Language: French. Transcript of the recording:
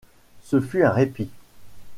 Ce fut un répit.